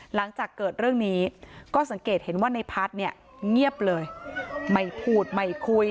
หลังจากเกิดเรื่องนี้ก็สังเกตเห็นว่าในพัฒน์เนี่ยเงียบเลยไม่พูดไม่คุย